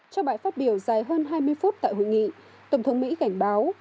trong bài phát biểu dài hơn hai mươi phút tại hội nghị tổng thống mỹ cảnh báo